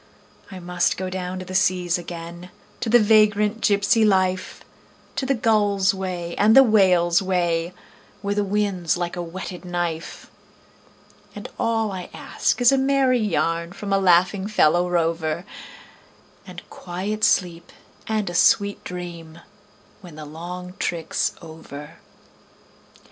I must go down to the seas again, to the vagrant gypsy life, To the gull's way and the whale's way, where the wind's like a whetted knife; And all I ask is a merry yarn from a laughing fellow rover, And quiet sleep and a sweet dream when the long trick's over.